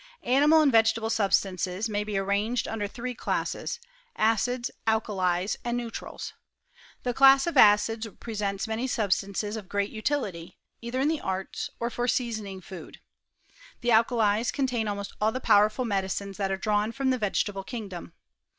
Animal and vegetable substances may be arranged under three classes, acids, alkalies, and neutrals. The class of acids presents many substances of great utility, either in the arts, or for seasoning food. The alkalies contain almost all the powerful medicines * that are drawn from the vegetable kingdom.